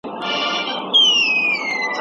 کندارۍ ملالې دا د خدای رضا ده